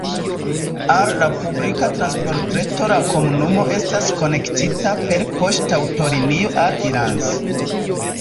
Al la publika transportreto la komunumo estas konektita per poŝtaŭtolinio al Ilanz.